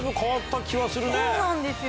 そうなんですよ。